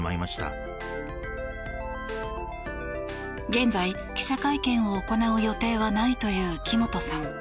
現在、記者会見を行う予定はないという木本さん。